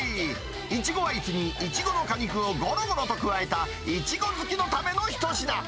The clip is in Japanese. イチゴアイスにイチゴの果肉をごろごろと加えた、イチゴ好きのための一品。